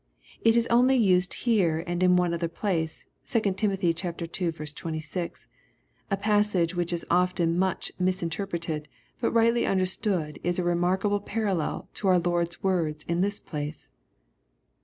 It \a only used here and in one other place, 2 Tim. ii. 26, a passage which is often much misinterpreted, but rightly understood is a remarkable parallel to our Lord's words in this place.